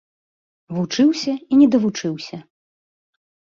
Вучыўся і не давучыўся.